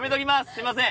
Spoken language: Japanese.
すいません。